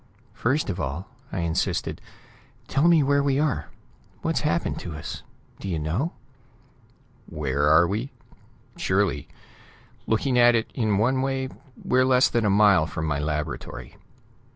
"First of all," I insisted, "tell me where we are; what's happened to us. Do you know?" "Where we are? Surely. Looking at it in one way, we're less than a mile from my laboratory."